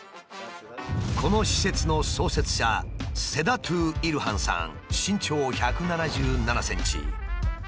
この施設の創設者セダットゥ・イルハンさん身長１７７ｃｍ。